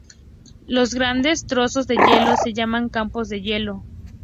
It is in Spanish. Los grandes trozos de hielo se llaman "campos de hielo".